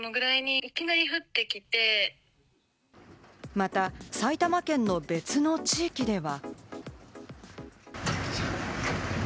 また埼玉県の別の地域では。